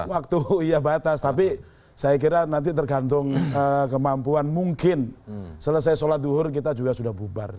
waktu iya batas tapi saya kira nanti tergantung kemampuan mungkin selesai sholat duhur kita juga sudah bubar